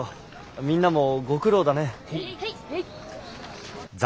みんなもご苦労だね。